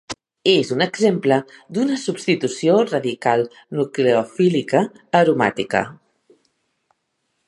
És un exemple d'una substitució radical-nucleofílica aromàtica.